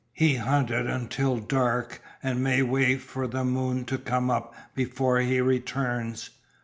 "He hunted until dark, and may wait for the moon to come up before he returns."